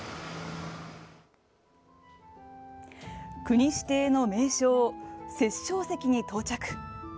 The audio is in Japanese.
国指定の名勝、殺生石に到着。